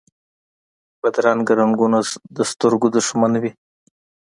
بدرنګه رنګونه د سترګو دشمن وي